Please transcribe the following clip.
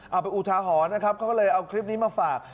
เอาเป็นอุทหาฮรนะครับเค้าเลยเอาคลิปนี้มาฝาก